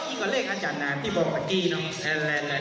อ๋ออีกกว่าเลขค่ะอาจารย์นะที่บอกเมื่อกี้เนอะ